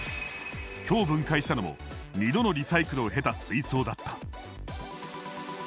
今日分解したのも２度のリサイクルを経た水槽だった。